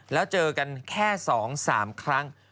แล้วเจอกันแค่๒๓ครั้ง